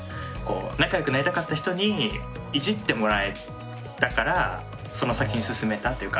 仲良くなりたかった人にいじってもらえたからその先に進めたというか。